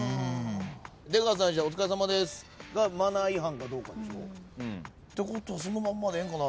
出川さんに「お疲れさまです」がマナー違反かどうかでしょ？ってことはそのまんまでええんかな。